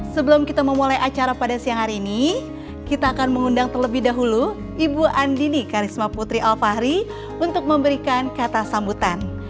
sebelum kita memulai acara pada siang hari ini kita akan mengundang terlebih dahulu ibu andini karisma putri alfahri untuk memberikan kata sambutan